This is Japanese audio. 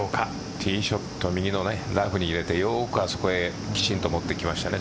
ティーショット右のラフに入れてよくあそこにきちんと持ってきましたね。